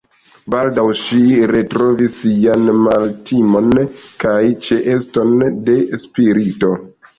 Baldaŭ ŝi retrovis sian maltimon kaj ĉeeston de spirito.